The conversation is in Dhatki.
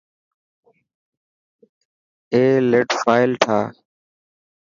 اي لڊ فائل ٺاهه.